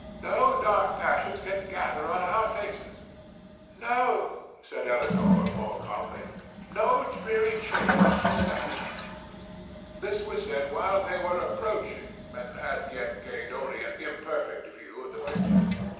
No dark passions can gather on our faces." "No," said Elinor, more calmly; "no dreary change can sadden us." This was said while they were approaching and had yet gained only an imperfect view of the pictures.